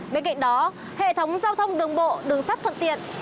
bên cạnh đó hệ thống giao thông đường bộ đường sắt thuận tiện